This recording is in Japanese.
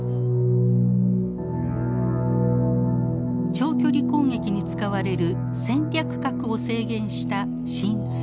長距離攻撃に使われる戦略核を制限した新ＳＴＡＲＴ。